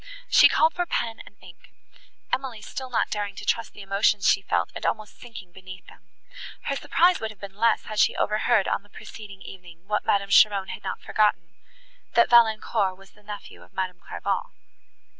She called for pen and ink; Emily still not daring to trust the emotions she felt, and almost sinking beneath them. Her surprise would have been less had she overheard, on the preceding evening, what Madame Cheron had not forgotten—that Valancourt was the nephew of Madame Clairval.